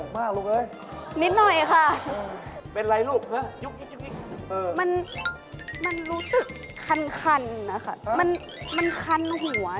ชาติที่นั่นหนูทำกามไม่เยอะหรือเปล่า